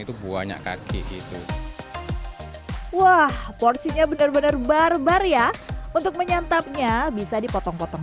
itu banyak kaki gitu wah porsinya benar benar barbar ya untuk menyantapnya bisa dipotong potong